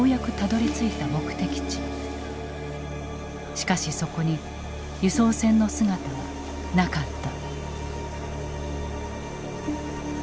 しかしそこに輸送船の姿はなかった。